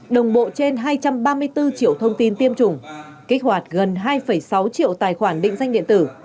đồng bộ trên hai trăm ba mươi bốn triệu thông tin tiêm chủng kích hoạt gần hai sáu triệu tài khoản định danh điện tử